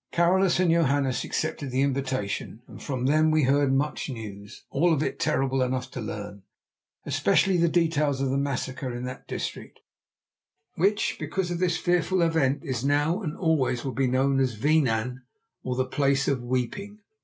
Carolus and Johannes accepted the invitation, and from them we heard much news, all of it terrible enough to learn, especially the details of the massacre in that district, which, because of this fearful event is now and always will be known as Weenen, or The Place of Weeping.